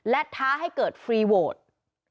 และท้าให้เกิดฟรีโวท